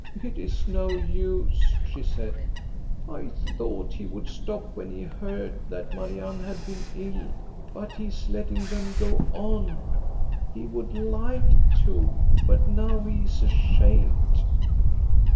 " It 's no use," she said. " I thought he would stop when he heard that Marianne had been ill ; but he is letting them go on. He would like to, but now he is ashamed."